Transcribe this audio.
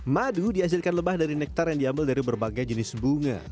madu dihasilkan lebah dari nektar yang diambil dari berbagai jenis bunga